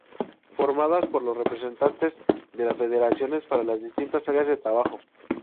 Formadas por los representantes de las federaciones para las distintas áreas de trabajo.